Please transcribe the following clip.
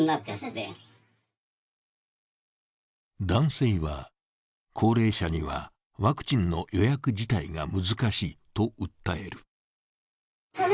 男性は、高齢者にはワクチンの予約自体が難しいと訴える。